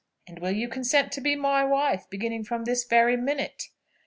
And will you consent to be my wife, beginning from this very minute?"